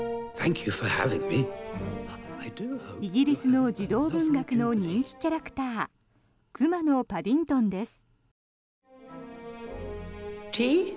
イギリスの児童文学の人気キャラクターくまのパディントンです。